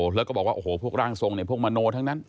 แล้วก็บอกว่าโอ้โหพวกร่างทรงเนี่ยพวกมโนทั้งนั้น